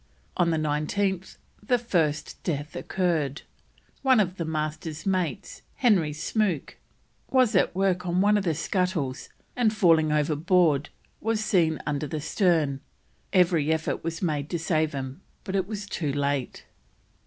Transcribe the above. On the 19th the first death occurred; one of the carpenter's mates, Henry Smook, was at work on one of the scuttles and, falling overboard, was seen under the stern; every effort was made to save him, but it was too late.